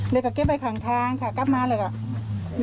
เลยก็เก็บไปทางค่ะกลับมาเลยค่ะ